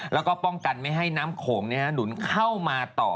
แล้วก็ป้องกันไม่ให้น้ำโขงหนุนเข้ามาต่อ